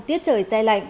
tiết trời say lạnh